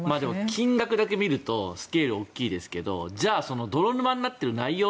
金額だけ見るとスケールは大きいですけど泥沼になっている内容